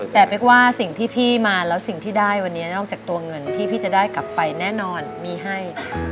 แต่เป๊กว่าสิ่งที่พี่มาแล้วสิ่งที่ได้วันนี้นอกจากตัวเงินที่พี่จะได้กลับไปแน่นอนมีให้